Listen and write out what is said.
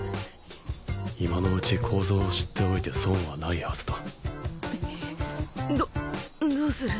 今のうち構造を知っておいて損はないはずだどどうする？